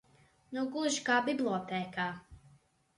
Nu gluži kā bibliotēkā!